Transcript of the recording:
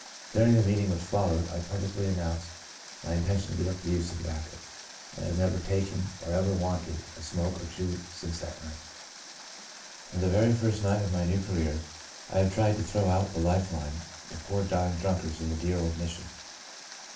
During the meeting which followed, I publicly announced my intention to give up the use of tobacco, and I have never taken, or even wanted, a smoke or chew since that night. 42 God's Good Man "From the very first night of my new career, I have tried to throw out the Life line to poor dying drunkards in the dear old Mission.